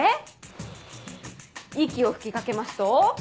フゥ息を吹き掛けますと。